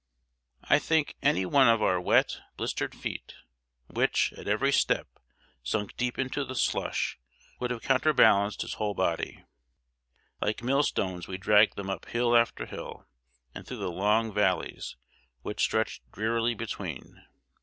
I think any one of our wet, blistered feet, which, at every step, sunk deep into the slush, would have counterbalanced his whole body! Like millstones we dragged them up hill after hill, and through the long valleys which stretched drearily between.